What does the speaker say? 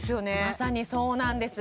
まさにそうなんです